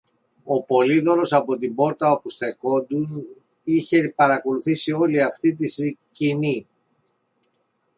Ο Πολύδωρος, από την πόρτα όπου στέκουνταν, είχε παρακολουθήσει όλη αυτή τη σκηνή